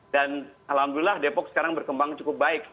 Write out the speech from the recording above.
dan alhamdulillah depok sekarang berkembang cukup baik